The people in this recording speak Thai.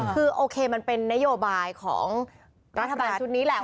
คือโอเคมันเป็นนโยบายของรัฐบาลชุดนี้แหละ